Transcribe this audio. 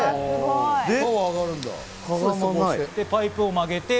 で、パイプを曲げて。